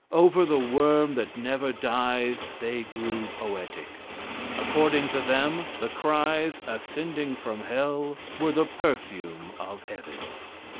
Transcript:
Over the worm that never dies they grew poetic. According to them, the cries ascending from hell were the perfume of heaven.